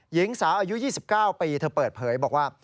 หญิงสาวอายุ๒๙ปีเธอเปิดเผยบอกว่า